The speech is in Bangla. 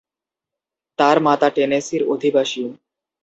তার মাতা টেনেসির অধিবাসী।